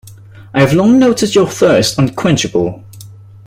I have long noted your thirst unquenchable.